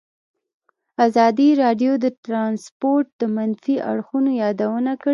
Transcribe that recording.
ازادي راډیو د ترانسپورټ د منفي اړخونو یادونه کړې.